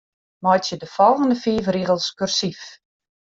Meitsje de folgjende fiif rigels kursyf.